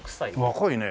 若いねえ。